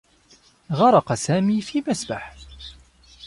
غرق سامي في مسبح.